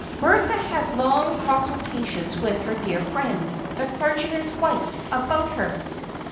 Bertha had long consultations with her dear friend, the clergyman's wife, about her.